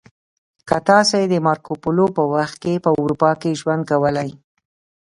که تاسې د مارکو پولو په وخت کې په اروپا کې ژوند کولی